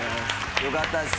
よかったです。